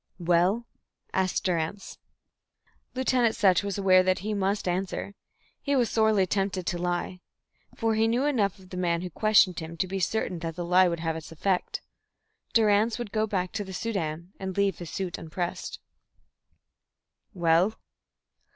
"Well?" asked Durrance. Lieutenant Sutch was aware that he must answer. He was sorely tempted to lie. For he knew enough of the man who questioned him to be certain that the lie would have its effect. Durrance would go back to the Soudan, and leave his suit unpressed. "Well?"